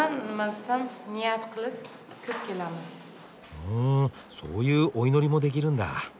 ふんそういうお祈りもできるんだ。